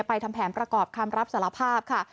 ทำแผนประกอบคำรับสารภาพค่ะ